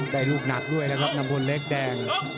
ได้ลูกหนักด้วยนะครับนำพลเล็กแดง